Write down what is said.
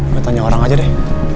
gue tanya orang aja deh